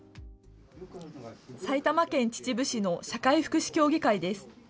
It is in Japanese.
埼玉県秩父市の社会福祉協議会です。